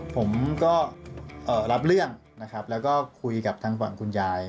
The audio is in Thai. ผมก็รับเรื่องนะครับแล้วก็คุยกับทางฝั่งคุณยาย